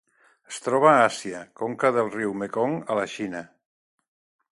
Es troba a Àsia: conca del riu Mekong a la Xina.